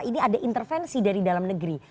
ini ada intervensi dari dalam negeri